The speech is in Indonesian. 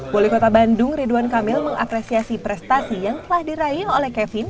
wali kota bandung ridwan kamil mengapresiasi prestasi yang telah diraih oleh kevin